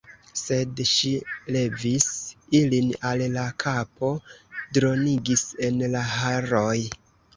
Sed ŝi levis ilin al la kapo, dronigis en la haroj.